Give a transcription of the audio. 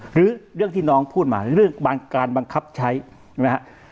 หรือเรื่องที่น้องพูดมาเรื่องบางการบังคับใช้ใช่ไหมฮะ